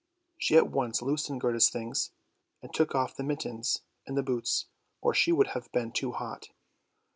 She at once loosened Gerda's things, and took off the mittens and the boots, or she would have been too hot.